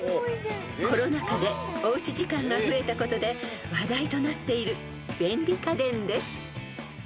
［コロナ禍でおうち時間が増えたことで話題となっている便利家電です］